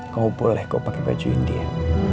kamu boleh kamu pakai baju india